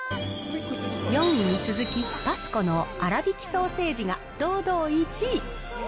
４位に続き、Ｐａｓｃｏのあらびきソーセージが堂々１位。